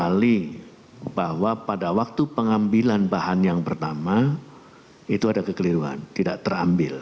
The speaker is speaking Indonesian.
pertama kali bahwa pada waktu pengambilan bahan yang pertama itu ada kekeliruan tidak terambil